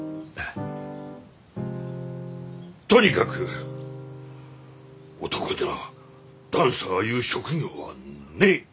とにかく男にゃあダンサーいう職業はねえ！